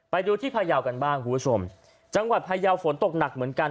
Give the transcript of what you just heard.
ไปดูที่พายาวกันบ้างคุณผู้ชมจังหวัดพยาวฝนตกหนักเหมือนกัน